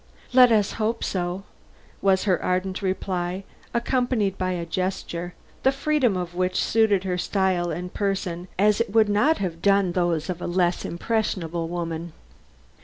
"Let us hope so!" was her ardent reply, accompanied by a gesture, the freedom of which suited her style and person as it would not have done those of a less impressionable woman.